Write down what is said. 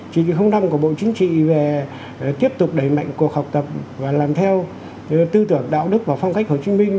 chỉ thị năm của bộ chính trị về tiếp tục đẩy mạnh cuộc học tập và làm theo tư tưởng đạo đức và phong cách hồ chí minh